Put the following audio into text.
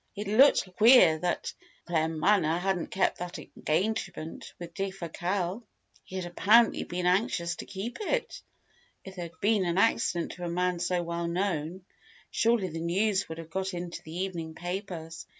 It looked queer that Claremanagh hadn't kept that engagement with Defasquelle. He had apparently been anxious to keep it. If there had been an accident to a man so well known, surely the news would have got into the evening papers.